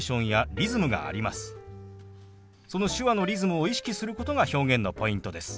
その手話のリズムを意識することが表現のポイントです。